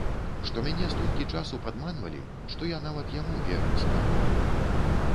Што мяне столькі часу падманвалі, што я нават яму верыць не буду.